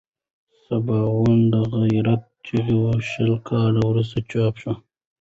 سباوون د غیرت چغې شل کاله وروسته چاپ شوه.